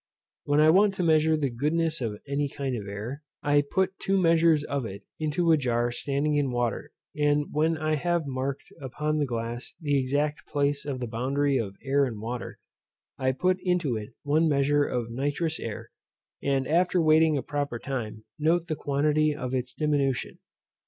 When I want to measure the goodness of any kind of air, I put two measures of it into a jar standing in water; and when I have marked upon the glass the exact place of the boundary of air and water, I put to it one measure of nitrous air; and after waiting a proper time, note the quantity of its diminution.